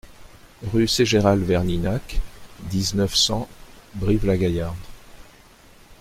Rue Ségéral Verninac, dix-neuf, cent Brive-la-Gaillarde